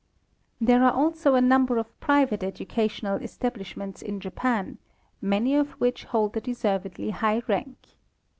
There are also a number of private educational establish ments in Japan, many of which hold a deservedly high rank.